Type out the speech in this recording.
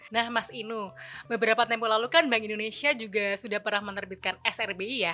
nah mas inu beberapa tempoh lalu kan bank indonesia juga sudah pernah menerbitkan srbi ya